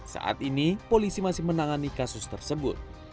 saat ini polisi masih menangani kasus tersebut